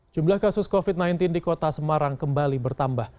jumlah kasus covid sembilan belas di kota semarang kembali bertambah